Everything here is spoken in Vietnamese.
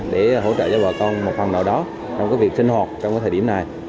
để hỗ trợ cho bà con một phần nào đó trong việc sinh hoạt trong thời điểm này